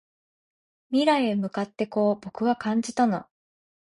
未来へ向かってこう僕は感じたの